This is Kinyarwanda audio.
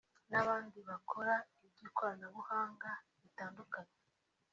n’abandi bakora iby’ikoranabuhanga ritandukanye